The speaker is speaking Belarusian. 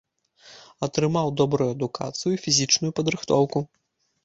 Атрымаў добрую адукацыю і фізічную падрыхтоўку.